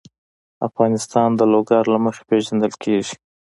افغانستان د لوگر له مخې پېژندل کېږي.